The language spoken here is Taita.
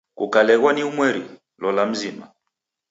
Kukaleghwa ni umweri, lola mzima.